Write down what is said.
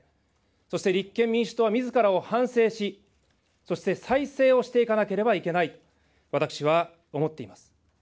そして立憲民主党はみずからを反省し、そして再生をしていかなければいけない、私は思っています。